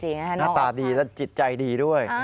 หน้าตาดีและจิตใจดีด้วย